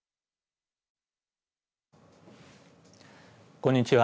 こんにちは。